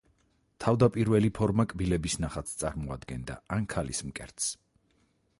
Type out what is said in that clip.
თავდაპირველი ფორმა კბილების ნახატს წარმოადგენდა, ან ქალის მკერდს.